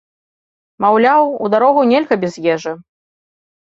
Маўляў, у дарогу нельга без ежы.